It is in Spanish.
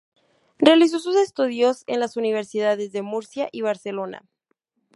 Realizó sus estudios en las universidades de Murcia y Barcelona.